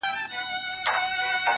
نه لري هيـڅ نــنــــگ.